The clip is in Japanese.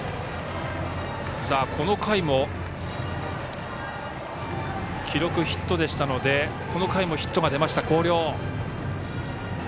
この回も記録ヒットでしたのでこの回もヒットが出ました、広陵。